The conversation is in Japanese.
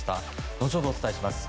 後ほどお伝えします。